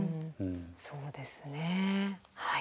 そうですねはい。